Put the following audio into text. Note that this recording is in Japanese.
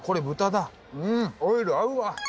オイル合うわ。